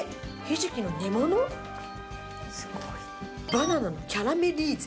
バナナのキャラメリゼ。